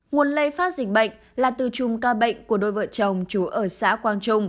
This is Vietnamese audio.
nguồn lây phát dịch bệnh là từ chùm ca bệnh của đôi vợ chồng chú ở xã quang trung